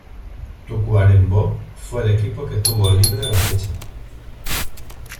Tacuarembó fue el equipo que tuvo libre la fecha.